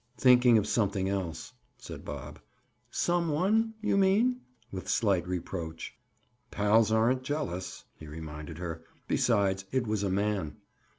"Thinking of something else," said Bob. "Some one, you mean?" with slight reproach. "Pals aren't jealous," he reminded her. "Besides, it was a man."